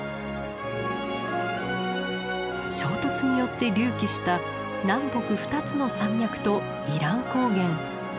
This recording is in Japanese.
衝突によって隆起した南北２つの山脈とイラン高原。